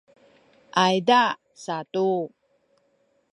ayza satu